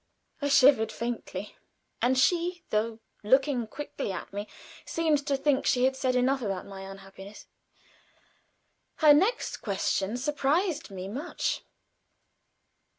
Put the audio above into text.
I shivered faintly; and she, though looking quickly at me, seemed to think she had said enough about my unhappiness. Her next question surprised me much.